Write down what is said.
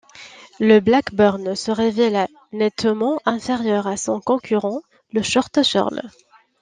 Le Blackburn se révéla nettement inférieur à son concurrent le Short Shirl.